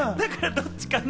どっちかな？